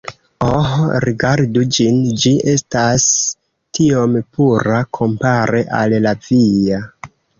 Oh rigardu ĝin ĝi estas tiom pura kompare al la via